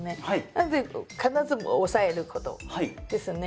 なので必ず押さえることですね。